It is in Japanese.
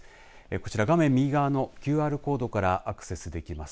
こちら画面右側のＱＲコードからアクセスいただけます。